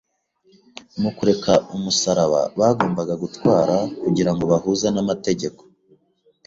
Mu kureka umusaraba bagombaga gutwara kugira ngo bahuze n’amategeko